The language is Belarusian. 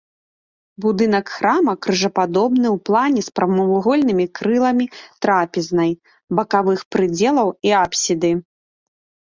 Будынак храма крыжападобны ў плане з прамавугольнымі крыламі трапезнай, бакавых прыдзелаў і апсіды.